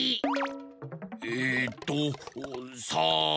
えっとさん。